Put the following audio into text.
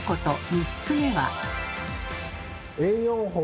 ３つ目は。